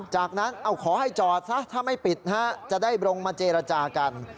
จากนั้นขอให้จอดซะถ้าไม่ปิดจะได้ลงมาเจรจากัน